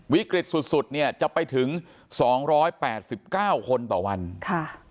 วิกฤตสุดสุดเนี่ยจะไปถึงสองร้อยแปดสิบเก้าคนต่อวันค่ะ